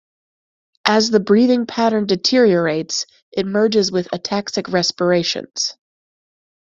As the breathing pattern deteriorates, it merges with ataxic respirations.